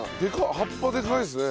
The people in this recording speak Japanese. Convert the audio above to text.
葉っぱでかいですね。